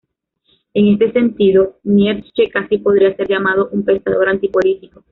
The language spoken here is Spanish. En este sentido, Nietzsche casi podría ser llamado un pensador anti-político.